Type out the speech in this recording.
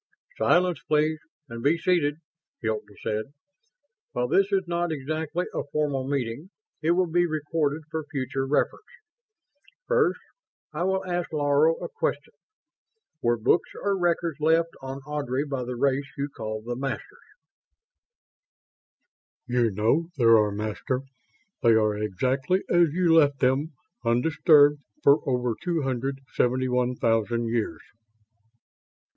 "Silence, please, and be seated," Hilton said. "While this is not exactly a formal meeting, it will be recorded for future reference. First, I will ask Laro a question. Were books or records left on Ardry by the race you call the Masters?" "You know there are, Master. They are exactly as you left them. Undisturbed for over two hundred seventy one thousand years."